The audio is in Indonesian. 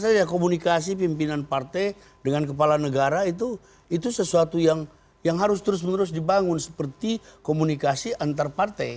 tentu saja komunikasi pimpinan partai dengan kepala negara itu sesuatu yang harus terus menerus dibangun seperti komunikasi antar partai